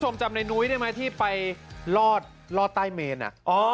คุณผู้ชมจำนายนุ้ยได้ไหมที่ไปรอดรอดใต้เมนอ่ะ